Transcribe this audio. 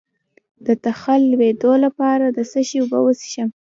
د تخه د لوییدو لپاره د څه شي اوبه وڅښم؟